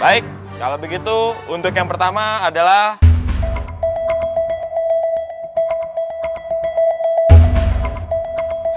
baik kalau begitu untuk yang pertama adalah